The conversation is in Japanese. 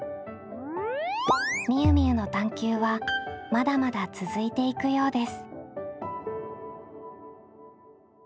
みゆみゆの探究はまだまだ続いていくようです。